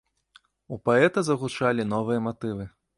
У паэта загучалі новыя матывы.